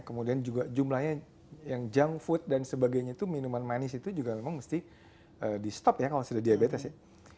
kemudian juga jumlahnya yang junk food dan sebagainya itu minuman manis itu juga memang mesti di stop ya kalau sudah diabetes ya